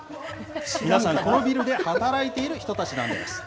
皆さんこのビルで働いている人たちなんです。